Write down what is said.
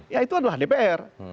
ya itu adalah dpr